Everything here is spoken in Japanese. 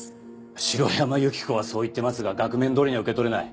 城山由希子はそう言ってますが額面どおりには受け取れない。